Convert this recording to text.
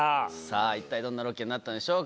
さぁ一体どんなロケになったんでしょうか？